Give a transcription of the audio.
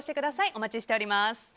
お待ちしております。